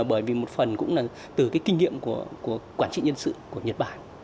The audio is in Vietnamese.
bởi vì một phần cũng là từ cái kinh nghiệm của quản trị nhân sự của nhật bản